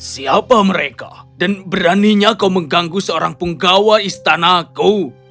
siapa mereka dan beraninya kau mengganggu seorang punggawa istanaku